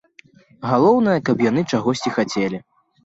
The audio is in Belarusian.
Галоўнае, каб яны чагосьці хацелі.